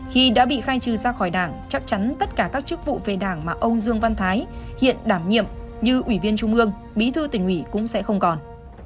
khi đã bị khai trừ ra khỏi đảng chắc chắn tất cả các chức vụ về đảng mà ông dương văn thái hiện đảm nhiệm như ủy viên trung ương bí thư tỉnh ủy cũng sẽ không còn